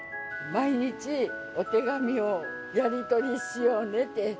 毎日、お手紙をやり取りしようねって。